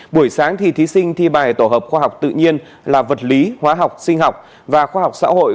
buổi sáng thì thí sinh thi bài tổ hợp khoa học tự nhiên là vật lý hóa học sinh học và khoa học xã hội